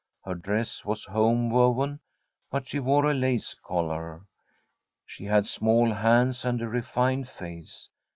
Her dress was home woven, but she wore a lace collar. She had small hands and a refined face.